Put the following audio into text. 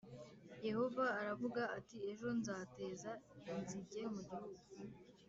yehova aravuga ati ejo nzateza inzige mu gihugu